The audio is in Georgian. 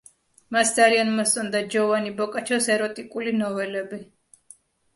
მას ძალიან მოსწონდა ჯოვანი ბოკაჩოს ეროტიკული ნოველები.